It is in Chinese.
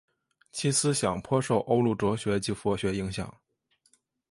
其思想颇受欧陆哲学及佛学之影响。